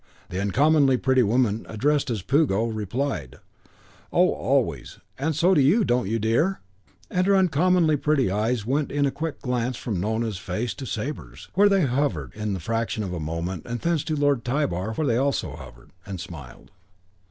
The uncommonly pretty woman addressed as Puggo replied, "Oh, always. And so do you, don't you, dear?" and her uncommonly pretty eyes went in a quick glance from Nona's face to Sabre's, where they hovered the fraction of a moment, and thence to Lord Tybar's where also they hovered, and smiled.